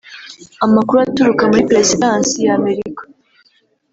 Amakuru aturuka muri Perezidansi ya Amerika